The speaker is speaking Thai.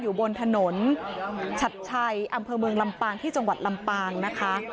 อยู่บนถนนชัดชัยอำเภอเมืองลำปางที่จังหวัดลำปางนะคะ